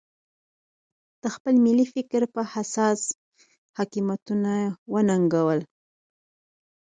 د خپل ملي فکر په اساس حاکمیتونه وننګول.